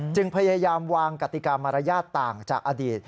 จึงพยายามวางกติกามารยาทต่างจากอดีต